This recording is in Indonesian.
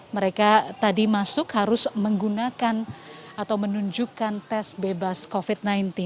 mereka tadi masuk harus menggunakan atau menunjukkan tes bebas covid sembilan belas